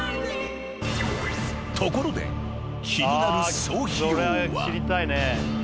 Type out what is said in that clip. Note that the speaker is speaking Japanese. ［ところで気になる総費用は］